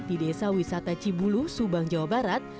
di desa wisata cibulu subang jawa barat